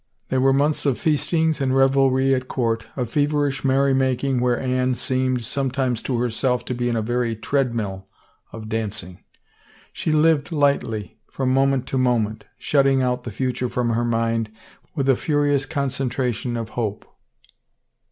They were months of m C^ f eastings and revelry at court, a feverish merry ^^^^ making where Anne seemed sometimes to her self to be in a very treadmill of dancing. She lived lightly, from moment to moment, shutting out the future from her mind with a furious concentration of hope.